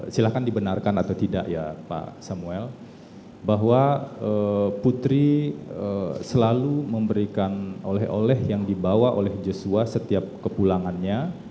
silahkan dibenarkan atau tidak ya pak samuel bahwa putri selalu memberikan oleh oleh yang dibawa oleh joshua setiap kepulangannya